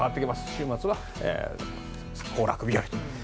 週末は行楽日和と。